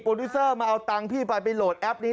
ดิวเซอร์มาเอาตังค์พี่ไปไปโหลดแอปนี้